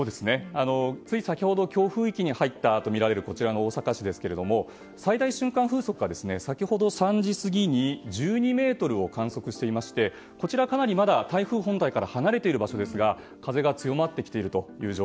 つい先ほど強風域に入ったとみられる大阪市ですが最大瞬間風速が先ほど３時過ぎに１２メートルを観測していましてこちらはかなりまだ台風本体から離れている場所ですが風が強まってきています。